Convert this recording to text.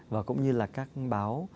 và cũng như là các báo